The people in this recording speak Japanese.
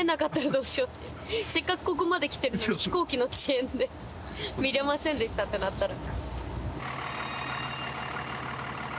せっかくここまで来てるのに飛行機の遅延で見れませんでしたってなったら。